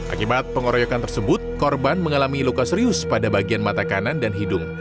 akibat pengeroyokan tersebut korban mengalami luka serius pada bagian mata kanan dan hidung